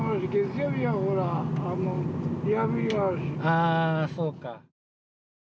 ああそうか。